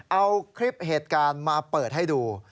เอาคลิปเหตุการณ์มาเปิดให้ดู